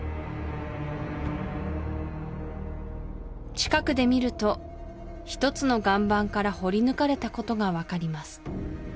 近くで見ると１つの岩盤から彫りぬかれたことが分かります